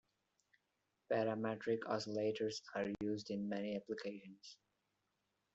Parametric oscillators are used in many applications.